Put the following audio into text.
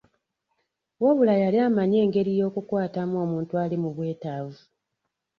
Wabula yali amanyi engeri y'okukwatamu omuntu ali mu bwetaavu.